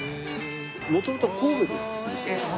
もともと神戸ですよね？